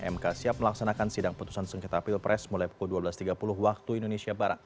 mk siap melaksanakan sidang putusan sengketa pilpres mulai pukul dua belas tiga puluh waktu indonesia barat